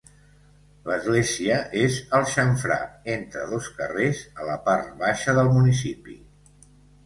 L'església és al xamfrà entre dos carrers, a la part baixa del municipi.